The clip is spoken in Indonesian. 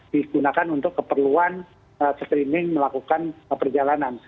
digunakan untuk keperluan screening melakukan perjalanan